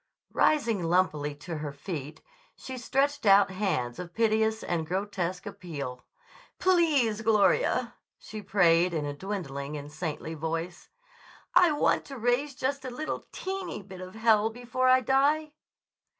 Rising lumpily to her feet, she stretched out hands of piteous and grotesque appeal. "Please, Gloria," she prayed in a dwindling and saintly voice, "I want to raise just a little teeny bit of hell before I die."